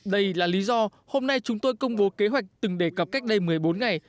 đây là lý do hôm nay chúng tôi công bố kế hoạch từng đề cập cách đây một mươi bốn ngày